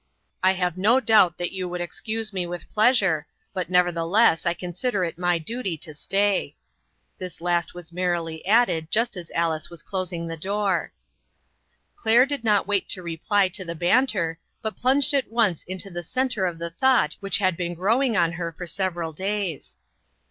"I have no doubt that you would excuse me with pleasure, but nevertheless I con sider it my duty to stay !" This last was merrily added, just as Alice closed the door. Claire did not wait to reply to the ban ter, but plunged at once into the centre of the thought which had been growing on her for several days.